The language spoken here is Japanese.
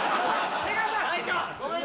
出川さん。